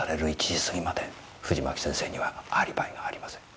１時過ぎまで藤巻先生にはアリバイがありません。